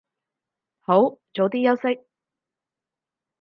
好，早啲休息